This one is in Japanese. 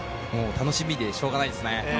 楽しみでしようがないですね。